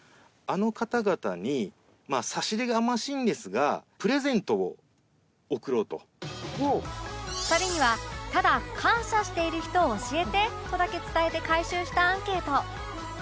あの方々にまあ差し出がましいんですが２人にはただ「感謝している人を教えて」とだけ伝えて回収したアンケート